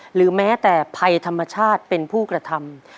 หรือแม้แต่ภัยธรรมชาติเป็นผู้กระทำ